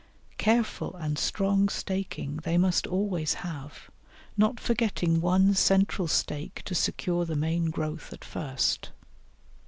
Careful and strong staking they must always have, not forgetting one central stake to secure the main growth at first.